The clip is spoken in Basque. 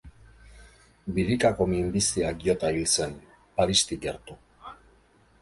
Birikako minbiziak jota hil zen Paristik gertu.